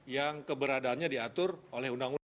yang keberadaannya diatur oleh undang undang